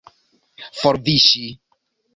forviŝi